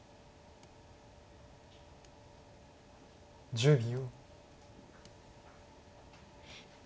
１０秒。